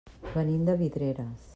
Venim de Vidreres.